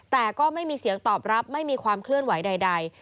แต่ก็ไม่มีเสียงตอบรับไม่มีความเคลื่อนไหวใด